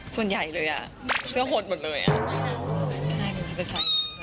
ส่วนใหญ่เลยอ่ะเสื้อหดหมดเลยอ่ะใช่ค่ะ